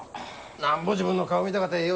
なんぼ自分の顔見たかてええ